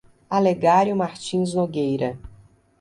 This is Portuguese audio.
Alegario Martins Nogueira